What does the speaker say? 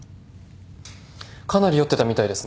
かなり酔ってたみたいですね。